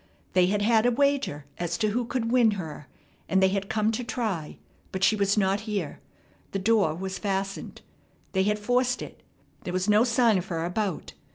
They had had a wager as to who could win her, and they had come to try; but she was not here. The door was fastened. They had forced it. There was no sign of her about.